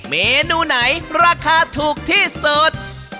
เมนูไหนราคาถูกที่สุด